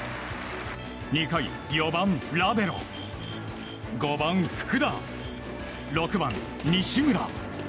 ２回、４番、ラベロ５番、福田６番、西浦。